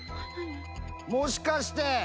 もしかして！